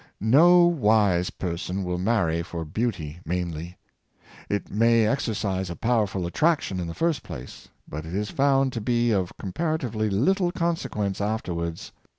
No wise person will marry for beauty mainlr. It may exercise a powerful attraction in the first place, but it is found to be of comparatively little consequence afterwards.